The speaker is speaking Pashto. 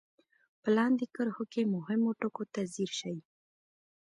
په لاندې کرښو کې مهمو ټکو ته ځير شئ.